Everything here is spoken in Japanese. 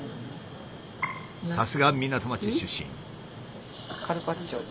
さすが港町出身。